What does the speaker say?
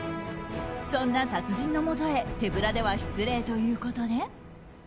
そんな達人のもとへ手ぶらでは失礼ということで。